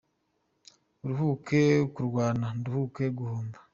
Uruhuke kurwana Nduhuke guhondwa.